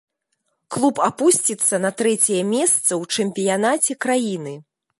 Клуб апусціцца на трэцяе месца ў чэмпіянаце краіны.